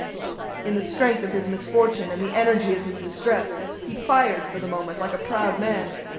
In the strength of his misfortune, and the energy of his distress, he fired for the moment like a proud man.